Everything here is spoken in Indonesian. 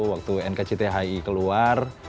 waktu nkcthi keluar